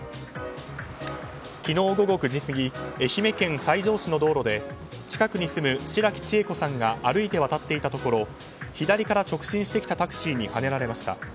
昨日午後９時過ぎ愛媛県西条市の道路で近くに住む白木千恵子さんが歩いて渡っていたところ左から直進してきたタクシーにはねられました。